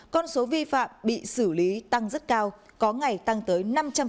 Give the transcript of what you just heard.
con số vi phạm bị xử lý tăng rất cao có ngày tăng tới năm trăm linh